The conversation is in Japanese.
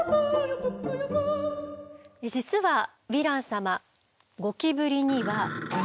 実はヴィラン様ゴキブリには。